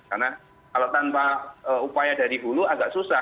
karena kalau tanpa upaya dari hulu agak susah